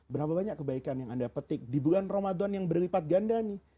berapa banyak kebaikan yang anda petik di bulan ramadan yang berlipat ganda nih